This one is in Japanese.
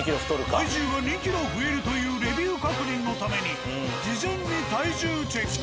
体重が２ｋｇ増えるというレビュー確認のために事前に体重チェック。